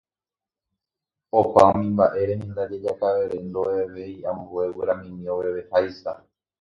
Opa umi mba'e rehe ndaje Jakavere ndovevéi ambue guyramimi oveveháicha.